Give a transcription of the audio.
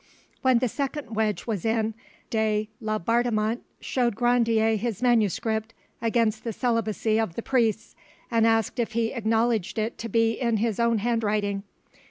When the second wedge was in, de Laubardemont showed Grandier his manuscript against the celibacy of the priests, and asked if he acknowledged it to be in his own handwriting.